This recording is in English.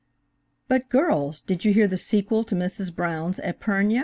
"But, girls, did you hear the sequel to Mrs. Brown's épergne?"